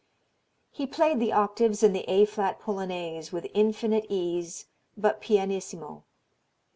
He played the octaves in the A flat Polonaise with infinite ease but pianissimo.